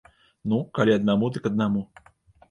Ну, калі аднаму, дык аднаму.